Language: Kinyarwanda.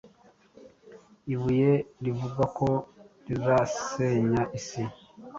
ibuye rivugwako rizasenya isi,